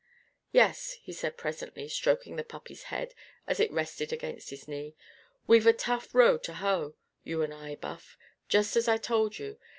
"Yes," he said presently, stroking the puppy's head as it rested against his knee, "we've a tough row to hoe, you and I, Buff. Just as I told you.